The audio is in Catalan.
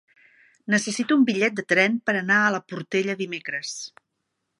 Necessito un bitllet de tren per anar a la Portella dimecres.